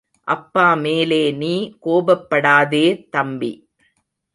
அப்பா மேலே நீ கோபப்படாதே, தம்பி.